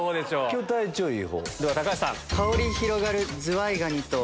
今日体調いい方。